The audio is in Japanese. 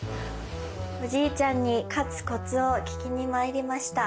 おじいちゃんに勝つコツを聞きにまいりました。